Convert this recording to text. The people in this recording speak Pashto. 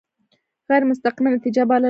غیر مستقیمه نتیجه بلله.